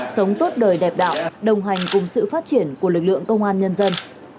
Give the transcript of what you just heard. sống tốt đời đẹp đạo đồng hành cùng sự phát triển của lực lượng công an nhân dân